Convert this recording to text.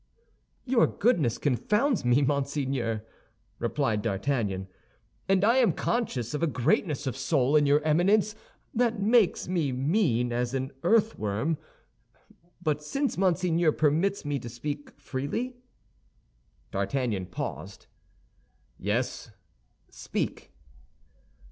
"Your goodness confounds me, monseigneur," replied D'Artagnan, "and I am conscious of a greatness of soul in your Eminence that makes me mean as an earthworm; but since Monseigneur permits me to speak freely—" D'Artagnan paused. "Yes; speak."